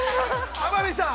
◆天海さん。